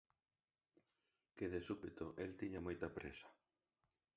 que de súpeto el tiña moita présa.